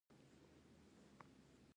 سلیمان غر افغانانو ته معنوي ارزښت لري.